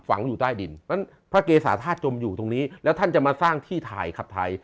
ฝังอยู่ใต้ดินเพราะฉะนั้นพระเกษาธาตุจมอยู่ตรงนี้แล้วท่านจะมาสร้างที่ถ่ายขับถ่าย